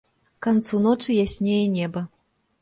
К канцу ночы яснее неба.